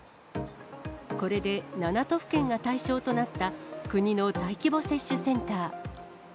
これで７都府県が対象となった国の大規模接種センター。